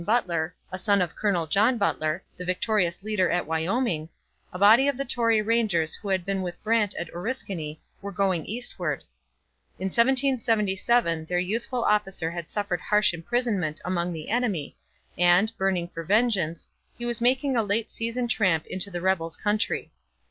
Butler, a son of Colonel John Butler, the victorious leader at Wyoming, a body of the Tory Rangers who had been with Brant at Oriskany were going eastward. In 1777 their youthful officer had suffered harsh imprisonment among the enemy, and, burning for vengeance, he was making a late season tramp into the rebels' country.